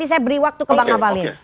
saya beri waktu ke bang abalin